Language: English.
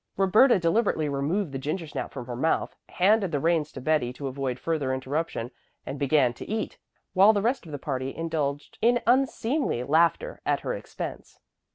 Roberta deliberately removed the gingersnap from her mouth, handed the reins to Betty to avoid further interruption, and began to eat, while the rest of the party indulged in unseemly laughter at her expense.